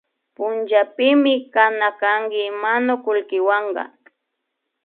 Punllapimi kana kanki manukulkiwanka